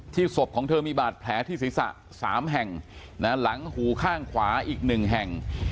ศพของเธอมีบาดแผลที่ศีรษะ๓แห่งหลังหูข้างขวาอีก๑แห่ง